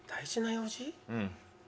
うん。